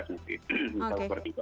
misal seperti itu